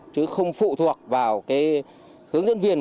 chứ không phụ thuộc vào cái hướng dẫn viên